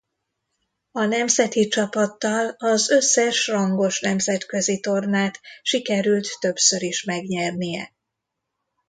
A nemzeti csapattal az összes rangos nemzetközi tornát sikerült többször is megnyernie.